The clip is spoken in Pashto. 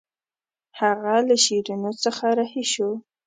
هغه له شیرینو څخه رهي شو.